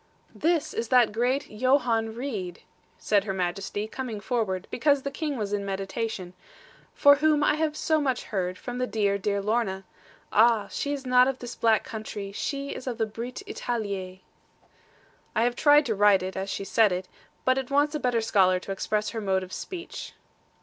'This is that great Johann Reed,' said Her Majesty, coming forward, because the King was in meditation; 'for whom I have so much heard, from the dear, dear Lorna. Ah, she is not of this black countree, she is of the breet Italie.' I have tried to write it, as she said it: but it wants a better scholar to express her mode of speech.